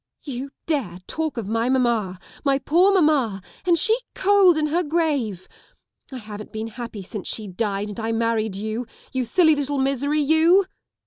" You dare talk of my Mamma, my poor Mamma, and she cold in heti igrave! I haven't been happy since she died and I married you, you silly little misery, you!